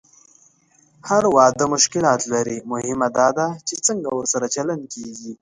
هر واده مشکلات لري، مهمه دا ده چې څنګه ورسره چلند کېږي.